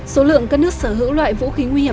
số lượng các nước sở hữu loại vũ khí nguy hiểm